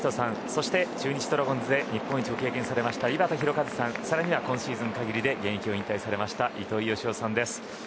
そして、中日ドラゴンズで日本一を経験されました井端弘和さん更には今シーズン限りで現役を引退されました糸井嘉男さんです。